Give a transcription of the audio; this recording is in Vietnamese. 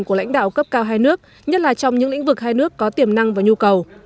của lãnh đạo cấp cao hai nước nhất là trong những lĩnh vực hai nước có tiềm năng và nhu cầu